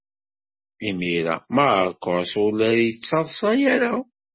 Imir-a Marcos ur la yettaḍsa ara.